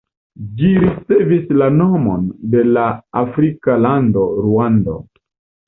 Ĝi ricevis la nomon de la afrika lando Ruando.